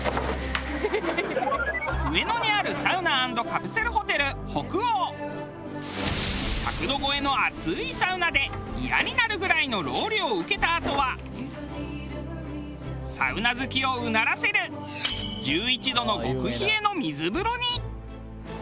上野にある１００度超えの熱いサウナで嫌になるぐらいのロウリュを受けたあとはサウナ好きをうならせる１１度の極冷の水風呂に。